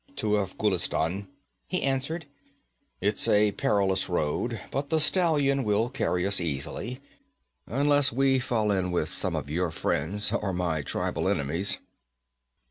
'To Afghulistan,' he answered. 'It's a perilous road, but the stallion will carry us easily, unless we fall in with some of your friends, or my tribal enemies.